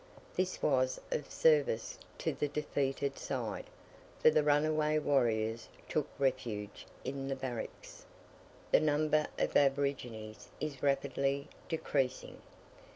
This was of service to the defeated side, for the runaway warriors took refuge in the barracks. The number of aborigines is rapidly decreasing.